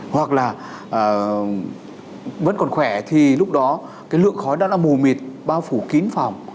hoặc là vẫn còn khỏe thì lúc đó cái lượng khói đó là mù mịt bao phủ kín phòng